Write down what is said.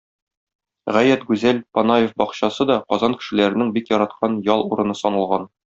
Гаять гүзәл Панаев бакчасы да Казан кешеләренең бик яраткан ял урыны саналган.